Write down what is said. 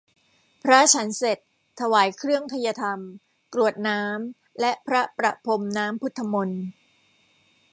พระฉันเสร็จ ถวายเครื่องไทยธรรม กรวดน้ำและพระประพรมน้ำพุทธมนต์